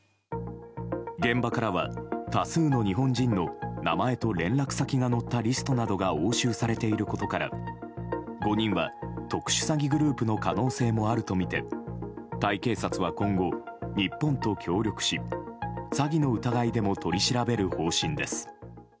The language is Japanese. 現場からは、多数の日本人の名前と連絡先が載ったリストなどが押収されていることから５人は特殊詐欺グループの可能性もあるとみてタイ警察は今後、日本と協力し詐欺の疑いでも取り調べる方針です。